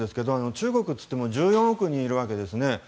中国といっても１４億人いるわけですね。